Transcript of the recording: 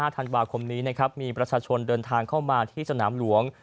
ธันวาคมนี้นะครับมีประชาชนเดินทางเข้ามาที่สนามหลวง